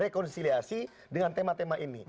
rekonsiliasi dengan tema tema ini